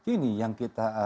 ini yang kita